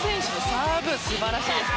サーブ、素晴らしいです。